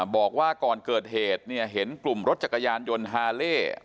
บอกว่าก่อนเกิดเหตุเห็นกลุ่มรถจักรยานยนต์ฮาเล่